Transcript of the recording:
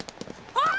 あっ！